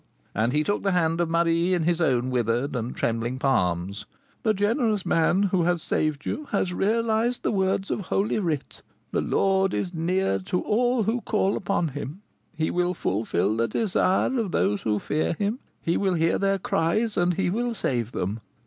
And he took the hand of Marie in his own withered and trembling palms. "The generous man who has saved you has realised the words of Holy Writ, 'The Lord is near to all those who call upon him; he will fulfil the desire of those who fear him; he will hear their cries, and he will save them.'